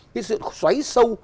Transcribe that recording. cái sự xoáy sâu